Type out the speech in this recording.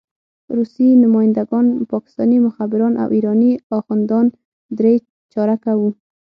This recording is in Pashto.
روسي نماینده ګان، پاکستاني مخبران او ایراني اخندان درې چارکه وو.